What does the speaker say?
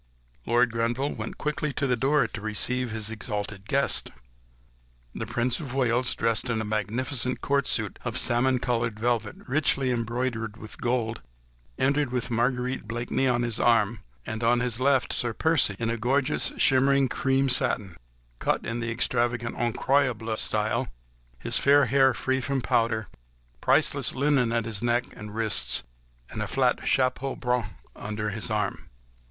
Lord Grenville went quickly to the door to receive his exalted guest. The Prince of Wales, dressed in a magnificent court suit of salmon coloured velvet richly embroidered with gold, entered with Marguerite Blakeney on his arm; and on his left Sir Percy, in gorgeous shimmering cream satin, cut in the extravagant "Incroyable" style, his fair hair free from powder, priceless lace at his neck and wrists, and the flat chapeau bras under his arm.